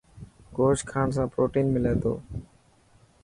گوشت کاڻ سان پروٽين ملي ٿو.